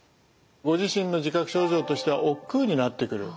ご自身の自覚症状としてはおっくうになってくる。